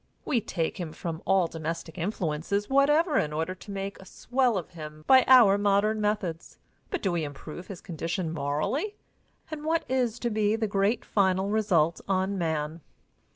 We take him from all domestic influences whatever in order to make a swell of him by our modern methods, but do we improve his condition morally, and what is to be the great final result on man?